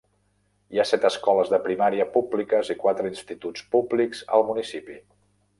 Hi ha set escoles de primària públiques i quatre instituts públics al municipi.